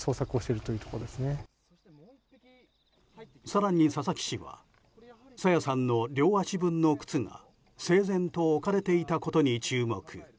更に、佐々木氏は朝芽さんの両足分の靴が整然と置かれていたことに注目。